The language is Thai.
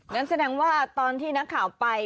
นั่นแสดงว่าตอนที่นักข่าวไป